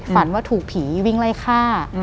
ฝันว่าถูกผีวิ่งไล่ฆ่า